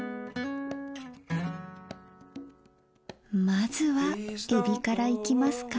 まずはえびからいきますか。